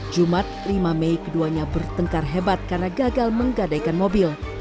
jumat lima mei keduanya bertengkar hebat karena gagal menggadaikan mobil